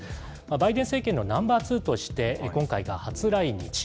バイデン政権のナンバー・ツーとして今回が初来日。